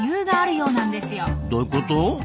どういうこと？